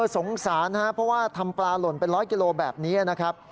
สงสารนะครับเพราะว่าทำปลาหล่นเป็นร้อยกิโลแบบนี้นะครับ